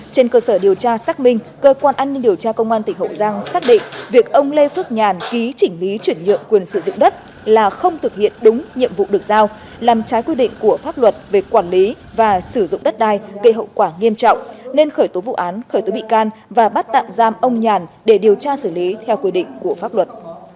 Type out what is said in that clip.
trên cơ sở điều tra xác minh cơ quan an ninh điều tra công an tỉnh hậu giang xác định việc ông lê phước nhàn ký chỉnh lý chuyển nhượng quyền sử dụng đất là không thực hiện đúng nhiệm vụ được giao làm trái quy định của pháp luật về quản lý và sử dụng đất đai gây hậu quả nghiêm trọng nên khởi tố vụ án khởi tố bị can và bắt tạm giam ông nhàn để điều tra xử lý theo quy định của pháp luật